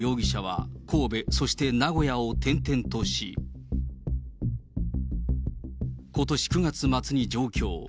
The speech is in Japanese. その後、容疑者は神戸、そして名古屋を転々とし、ことし９月末に上京。